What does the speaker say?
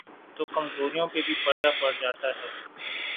تو کمزوریوں پہ بھی پردہ پڑ جاتاہے۔